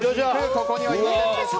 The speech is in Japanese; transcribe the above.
ここにはいませんでした。